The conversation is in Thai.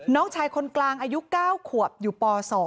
น้องชายคนกลางอายุ๙ขวบอยู่ป๒